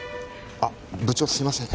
あっ部長すいません